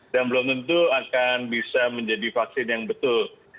dan belum tentu akan bisa menjadi vaksin yang betul